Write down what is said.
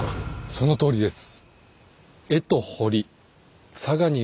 そのとおりです。